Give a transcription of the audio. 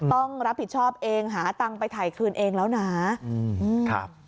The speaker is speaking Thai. ต้องรับผิดชอบเองหาตังค์ไปถ่ายคืนเองแล้วนะครับ